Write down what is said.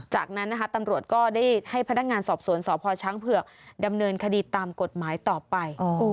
จากนั้นนะคะตำรวจก็ได้ให้พนักงานสอบสวนสพช้างเผือกดำเนินคดีตามกฎหมายต่อไป